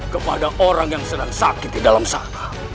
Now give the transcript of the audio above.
kepada orang yang sedang sakit di dalam sana